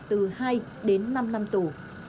từ hai đến năm năm tù